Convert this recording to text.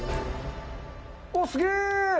おー、すげえ！